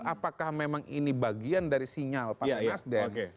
apakah memang ini bagian dari sinyal partai nasdem